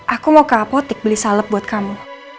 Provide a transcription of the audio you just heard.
aku mau ke apotik beli salep buat kamu